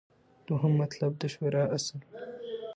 دوهم مطلب : د شورا اصل